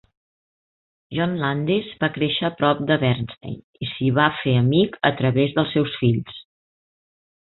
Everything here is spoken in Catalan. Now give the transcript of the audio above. John Landis va créixer a prop de Bernstein i s'hi va fer amic a través dels seus fills.